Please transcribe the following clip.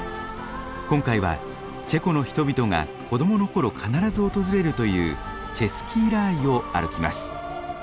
今回はチェコの人々が子供の頃必ず訪れるというチェスキーラーイを歩きます。